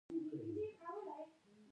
د څاڅکي سیستم اوبه سپموي.